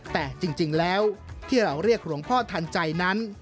แต่จริงแล้วที่เราเรียกหลวงพ่อทันใจนั้น